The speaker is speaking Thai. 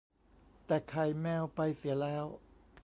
แต่ ไข่แมว ไปเสียแล้ว